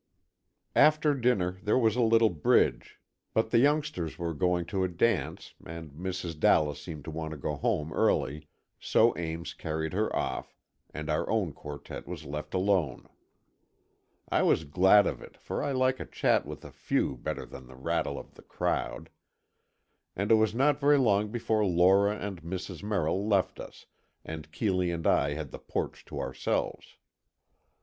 After dinner there was a little bridge, but the youngsters were going to a dance, and Mrs. Dallas seemed to want to go home early, so Ames carried her off, and our own quartet was left alone. I was glad of it, for I like a chat with a few better than the rattle of the crowd. And it was not very long before Lora and Mrs. Merrill left us, and Keeley and I had the porch to ourselves.